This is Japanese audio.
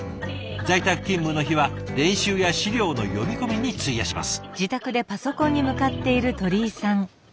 在宅勤務の日は練習や資料の読み込みに費やします。